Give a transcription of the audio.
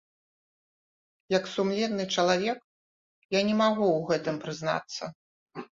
Як сумленны чалавек я не магу ў гэтым прызнацца.